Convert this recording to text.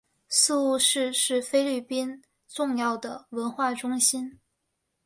宿雾市是菲律宾重要的文化中心。